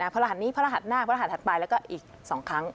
พระรหัสนี้พระรหัสหน้าพระรหัสถัดไปแล้วก็อีก๒ครั้ง